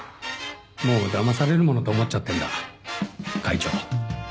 もうだまされるものと思っちゃってんだ会長。